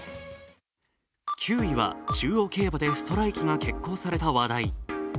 ９位は中央競馬でストライキが決行された話題。